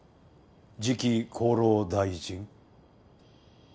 次期厚労大臣。